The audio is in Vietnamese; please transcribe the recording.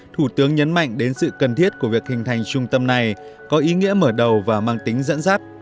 thủ tướng nhấn mạnh đến sự cần thiết của việc hình thành trung tâm này có ý nghĩa mở đầu và mang tính dẫn dắt